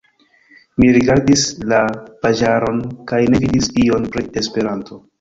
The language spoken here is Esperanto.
Mi rigardis la paĝaron kaj ne vidis ion pri Esperanto.